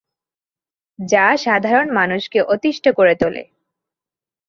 যা সাধারণ মানুষকে অতিষ্ঠ করে তোলে।